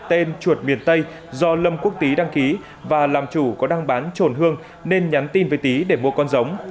tên chuột miền tây do lâm quốc tý đăng ký và làm chủ có đăng bán trồn hương nên nhắn tin với tý để mua con giống